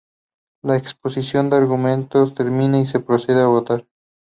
La exposición de argumentos termina y se procede a votar.